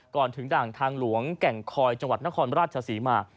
ก่อนถึงด่างทางหลวงแก่งคอยจังหวัดนครราชศรีมา